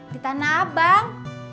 di tanah bang